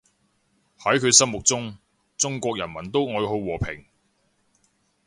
喺佢心目中，中國人民都愛好和平